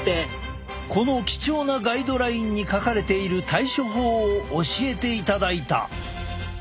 この貴重なガイドラインに書かれている対処法を教えていただいた！